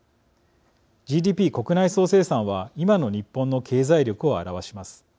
ＧＤＰ＝国内総生産は今の日本の経済力を表します。